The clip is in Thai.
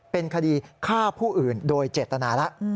เป็นคดีฆ่าผู้อื่นโดยเจตนาแล้ว